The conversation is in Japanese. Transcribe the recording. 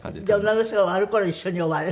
女の人が終わる頃に一緒に終わる。